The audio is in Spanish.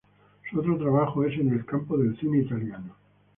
Su otro trabajo es en el campo del cine italiano.